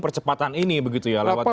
percepatan ini begitu ya lewat